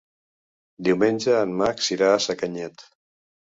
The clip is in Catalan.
Diumenge en Max irà a Sacanyet.